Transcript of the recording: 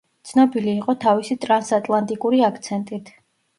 ცნობილი იყო თავისი ტრანსატლანტიკური აქცენტით.